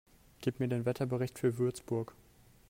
Gib mir den Wetterbericht für Würzburg